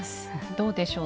どうでしょう？